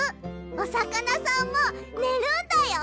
おさかなさんもねるんだよ。